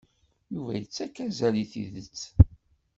Yuba ittak azal i tidet.